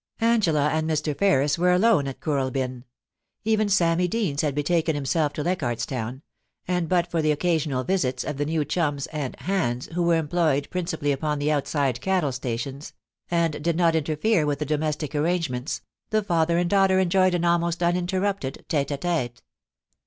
Angela and Mr. Ferris were alone at Kooralbyn. Even Sammy Deans had betaken himself to Leichardt*s Town ; and but for the occasional visits of the new chums and * hands/ who were employed principally upon the outside cattle stations, and did not interfere with the domestic arrangements, the father and daughter enjoyed an almost uninterrupted tite ^ iite.